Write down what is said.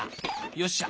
よっしゃ。